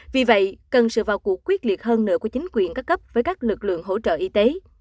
vì vậy cần sự vào cuộc quyết liệt hơn nữa của chính quyền các cấp với các lực lượng hỗ trợ y tế